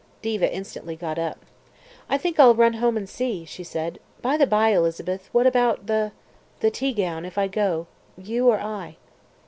Diva instantly got up. "Think I'll run home and see," she said. "By the by, Elizabeth, what about the the teagown, if I go? You or I?"